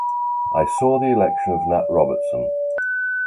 It saw the election of Nat Robertson.